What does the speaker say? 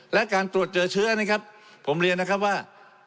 และการตรวจเจอเชื้อนะครับผมเรียนนะครับว่า